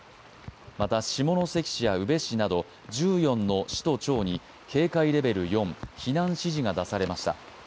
また下関市や宇部市など１４の市と町に警戒レベル４、避難指示が出されました。